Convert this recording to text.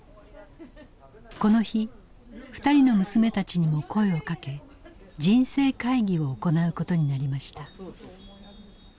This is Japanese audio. この日２人の娘たちにも声をかけ人生会議を行うことになりました。